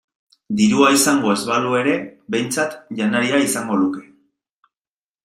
Dirua izango ez balu ere behintzat janaria izango luke.